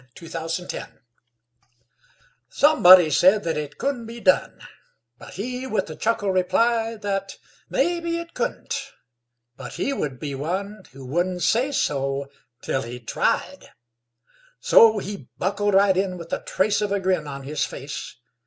37 It Couldn't Be Done Somebody said that it couldn't be done, But he with a chuckle replied That "maybe it couldn't," but he would be one Who wouldn't say so till he'd tried. So he buckled right in with the trace of a grin On his face.